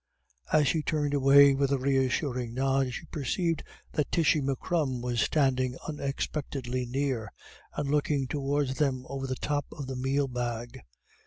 As she turned away with a reassuring nod, she perceived that Tishy M'Crum was standing unexpectedly near, and looking towards them over the top of the meal bag.